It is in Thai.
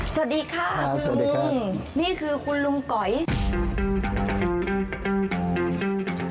สวัสดีค่ะคุณลุงนี่คือคุณลุงก๋อยค่ะสวัสดีค่ะสวัสดีค่ะ